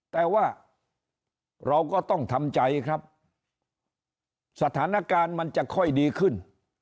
แต่ว่าเราก็ต้องทำใจครับสถานการณ์มันจะค่อยดีขึ้น